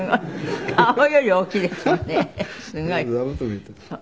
顔より大きいですもんね。